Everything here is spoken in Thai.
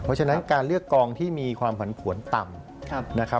เพราะฉะนั้นการเลือกกองที่มีความผลผลต่ำ